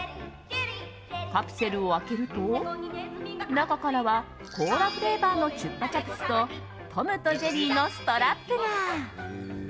カプセルを開けると中からはコーラフレーバーのチュッパチャップスと「トムとジェリー」のストラップが。